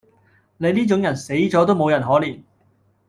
你呢種人死左都無人可憐